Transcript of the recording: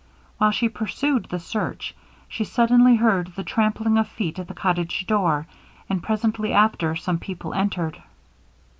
While she pursued the search, she suddenly heard the trampling of feet at the cottage door, and presently after some people entered.